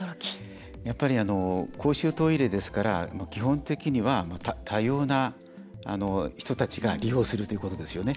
やっぱり、公衆トイレですから基本的には多様な人たちが利用するということですよね。